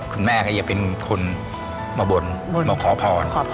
คุณแม่ก็จะเป็นคนมาบ่นมาขอพร